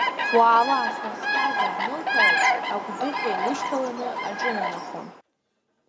Уаала, снаскьага анылҳәалак, агәдыҳәа илышьҭаланы аҿынанахон…